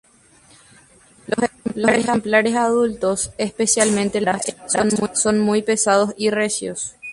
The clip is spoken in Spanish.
Los ejemplares adultos, especialmente las hembras, son muy pesados y recios.